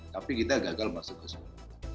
tapi kita gagal masuk ke semua